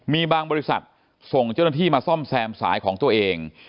มีบางบริษัทส่งเจ้าหน้าที่มาซ่อมแซมสายของตัวเอง